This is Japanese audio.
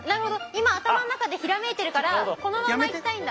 今頭の中でひらめいてるからこのまま行きたいんだ。